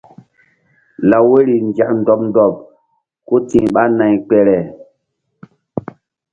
Law woyri nzek ndɔɓ ndɔɓ ku ti̧h ɓa nay kpere.